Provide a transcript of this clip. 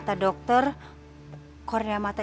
ibu dari mana